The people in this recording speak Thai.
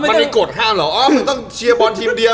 มันไม่กดห้ามเหรออ๋อมันต้องเชียร์บอลทีมเดียว